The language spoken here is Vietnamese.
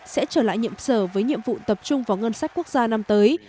sẽ trở lại nhiệm sở với nhiệm vụ tập trung vào ngân sách quốc gia năm tới